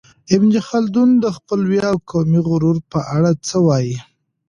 ابن خلدون د خپلوۍ او قومي غرور په اړه څه وايي؟